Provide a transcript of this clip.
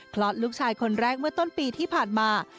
คลอดลูกชายคนแรกเมื่อต้นปีที่ผ่านมา